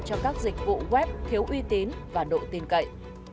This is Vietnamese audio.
cho các dịch vụ web thiếu uy tín và độ tin cậy